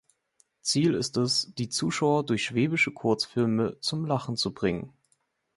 Ziel ist es, die Zuschauer durch schwäbische Kurzfilme zum Lachen zu bringen.